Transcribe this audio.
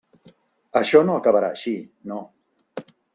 Això no acabarà així, no.